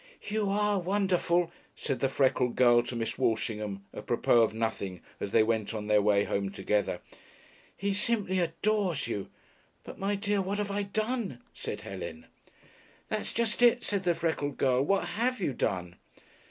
"You are wonderful," said the freckled girl to Miss Walshingham, apropos of nothing, as they went on their way home together. "He simply adores you." "But, my dear, what have I done?" said Helen. "That's just it," said the freckled girl. "What have you done?"